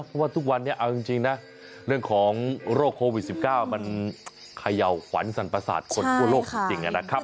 เพราะว่าตุ๊กวันเอาจริงนะเรื่องของโรคโควิด๑๙มันยาหวนสรรพสาธิตขนครู่โลกแบบนี้นะครับ